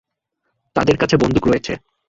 তাদের কাছে বন্দুক রয়েছে।